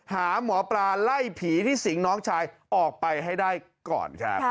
หาหมอปลาไล่ผีที่สิงน้องชายออกไปให้ได้ก่อนครับ